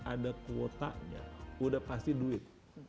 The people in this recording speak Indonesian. ada kuotanya udah pasti duit